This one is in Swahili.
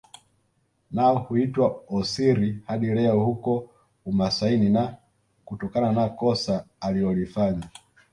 Nao huitwa Osiri hadi leo huko umasaini na kutokana na kosa alilolifanya